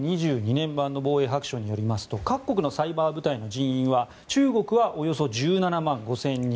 年版の防衛白書によりますと各国のサイバー部隊の人員は中国はおよそ１７万５０００人